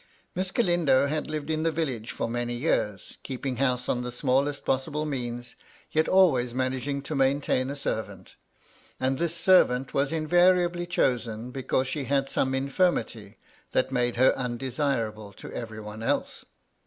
Miss Galindo had lived in the village for many years, keeping house on the smallest possible means, yet always managing to maintain a servant. And this servant was invariably chosen because she had some infirmity that made her undesirable to every one else.